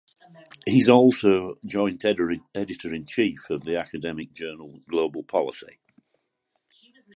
He is also joint editor-in-chief of the academic journal "Global Policy".